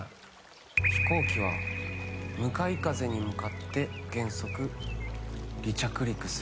飛行機は向かい風に向かって原則、離着陸する。